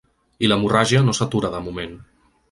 I l’hemorràgia no s’atura de moment.